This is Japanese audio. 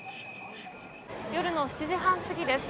夜の７時半過ぎです。